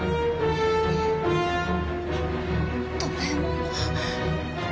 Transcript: ドラえもんを。